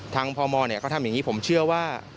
พมเขาทำอย่างนี้ผมเชื่อว่า